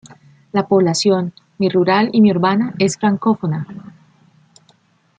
La población, mi rural y mi urbana, es francófona.